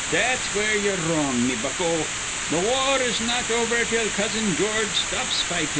That's where ye'er wrong, me bucko. Th' war is not over till Cousin George stops fightin'.